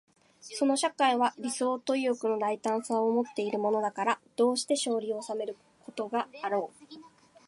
その社会は理想と意欲の大胆さとをもっているのだから、どうして勝利を収めないことがあろう。